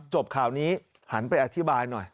จบข่าวนี้หันไปอธิบายหน่อย